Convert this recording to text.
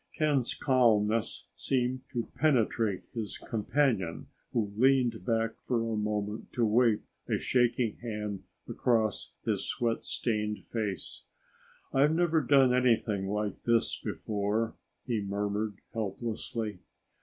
Ken's calmness seemed to penetrate his companion who leaned back for a moment to wipe a shaking hand across his sweat stained face. "I've never done anything like this before," he murmured helplessly.